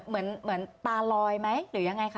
เหมือนตาลอยไหมหรือยังไงคะ